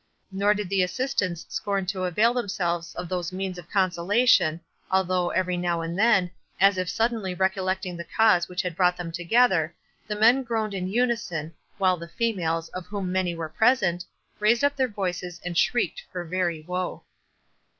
Nor did the assistants scorn to avail themselves of those means of consolation, although, every now and then, as if suddenly recollecting the cause which had brought them together, the men groaned in unison, while the females, of whom many were present, raised up their voices and shrieked for very woe.